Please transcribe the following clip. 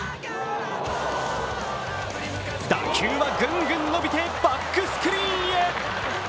打球はぐんぐん伸びてバックスクリーンへ。